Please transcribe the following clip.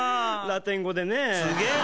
ラテン語でねぇ。